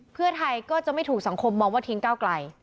เพื่อไทยก็จะไม่ถูกสังคมมองว่าทิ้งก้าวไกล